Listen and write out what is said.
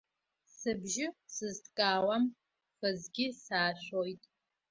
Сыбжьы сызҭкаауам, хазгьы саашәоит.